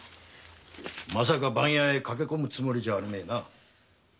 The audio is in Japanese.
まさか番屋へ駆け込むつもりじゃあるめぇな？